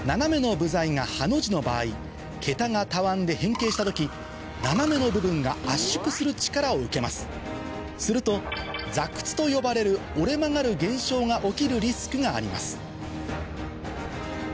桁がたわんで変形した時斜めの部分が圧縮する力を受けますすると座屈と呼ばれる折れ曲がる現象が起きるリスクがあります